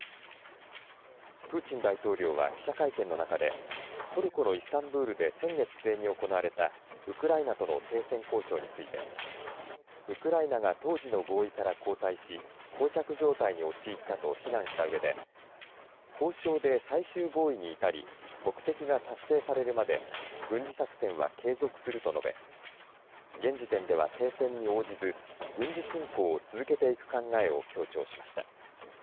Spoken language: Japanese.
プーチン大統領は記者会見の中でトルコのイスタンブールで先月末に行われたウクライナとの停戦交渉についてウクライナが当時の合意から後退しこう着状態に陥ったと非難したうえで交渉で最終合意に至り目的が達成されるまで軍事作戦は継続すると述べ現時点では停戦に応じず軍事侵攻を続けていく考えを強調しました。